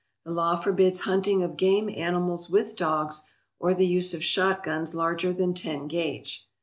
The law forbids hunting of game animals with dogs, or the use of shotguns larger than ten gauge.